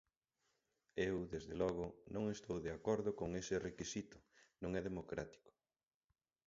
Eu, desde logo, non estou de acordo con ese requisito, non é democrático.